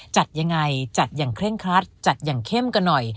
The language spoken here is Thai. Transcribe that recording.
จัดยังไงจัดอย่างเคร่งครัดจัดอย่างเข้มกันหน่อย